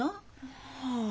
はあ。